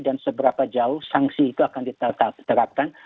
dan seberapa jauh sanksi itu akan diterapkan